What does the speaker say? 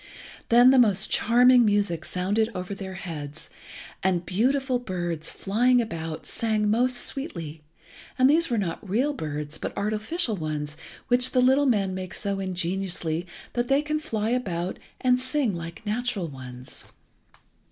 Then the most charming music sounded over their heads, and beautiful birds, flying about, sang most sweetly, and these were not real birds but artificial ones which the little men make so ingeniously that they can fly about and sing like natural ones.